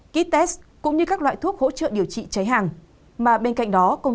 ký test cũng như các loại thuốc hỗ trợ điều trị cháy hàng